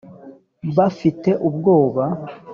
Bafite ubwoba.